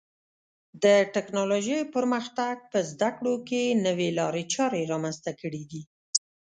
د ټکنالوژۍ پرمختګ په زده کړو کې نوې لارې چارې رامنځته کړې دي.